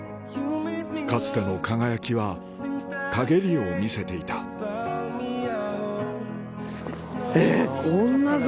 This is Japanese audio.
かつての輝きは陰りを見せていたえ！